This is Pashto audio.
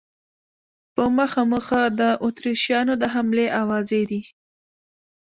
په مخه مو ښه، د اتریشیانو د حملې آوازې دي.